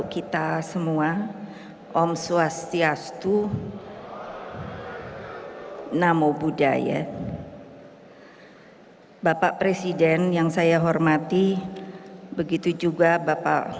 kita semua om swastiastu namo buddhaya bapak presiden yang saya hormati begitu juga bapak